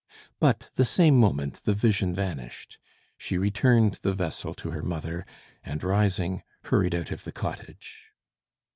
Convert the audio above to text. But the same moment the vision vanished; she returned the vessel to her mother, and rising, hurried out of the cottage.